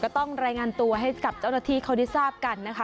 ต้องรายงานตัวให้กับเจ้าหน้าที่เขาได้ทราบกันนะคะ